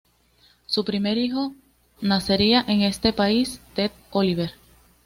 Su primer hijo nacería en este país, Ted Oliver.